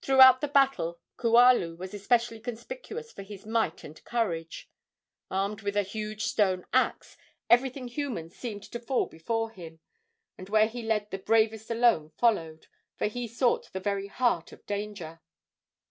Throughout the battle Kualu was especially conspicuous for his might and courage. Armed with a huge stone axe, everything human seemed to fall before him, and where he led the bravest alone followed, for he sought the very heart of danger.